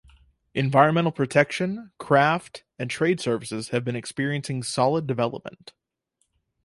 Environmental protection, craft, and trade services have been experiencing solid development.